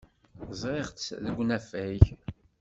Ẓriɣ-tt deg unafag.